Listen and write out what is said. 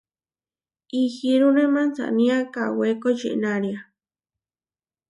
Ihirúne mansanía kawé kočinária.